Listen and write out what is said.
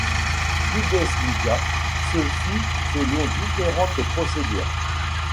Bundesliga se fit selon différentes procédures.